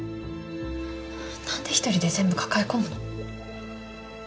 何で一人で全部抱え込むの？